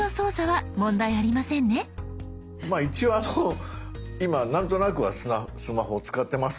まあ一応あの今なんとなくはスマホを使ってますので。